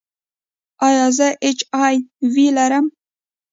ایا زه ایچ آی وي لرم؟